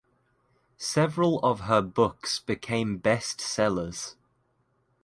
Several of her books became best sellers.